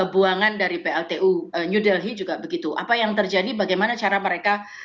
buangan dari pltu new delhi juga begitu apa yang terjadi bagaimana cara mereka